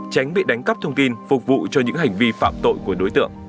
tránh bị đánh cắp thông tin phục vụ cho những hành vi phạm tội của đối tượng